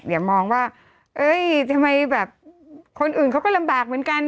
อย่ามองว่าเอ้ยทำไมแบบคนอื่นเขาก็ลำบากเหมือนกัน